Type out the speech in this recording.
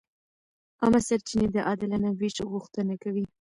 عامه سرچینې د عادلانه وېش غوښتنه کوي.